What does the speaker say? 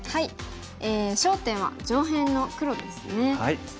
焦点は上辺の黒ですね。